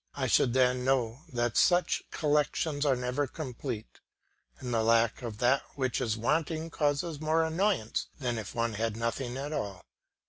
I should then know that such collections are never complete, and that the lack of that which is wanting causes more annoyance than if one had nothing at all.